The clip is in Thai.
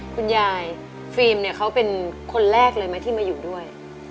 คุณยายฟิล์มเนี่ยเขาเป็นคนแรกเลยไหมที่มาอยู่ด้วย